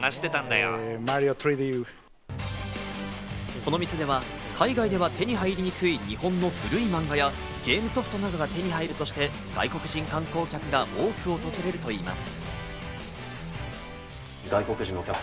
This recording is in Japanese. この店では海外では手に入りにくい日本の古い漫画やゲームソフトなどが手に入るとして外国人観光客が多く訪れるといいます。